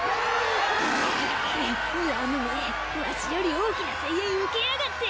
ぐぅラムめわしより大きな声援受けやがって。